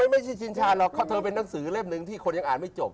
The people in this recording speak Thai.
ไม่ใช่ชินชาหรอกเพราะเธอเป็นหนังสือเล่มหนึ่งที่คนยังอ่านไม่จบ